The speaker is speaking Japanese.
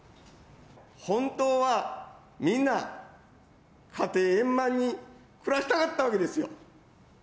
本当はみんな、家庭円満に暮らしたかったわけですよ。